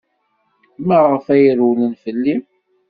Maɣef ay rewlen fell-i?